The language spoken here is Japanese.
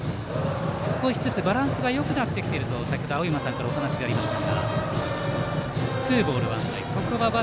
少しずつバランスがよくなってきていると先程、青山さんからお話がありました。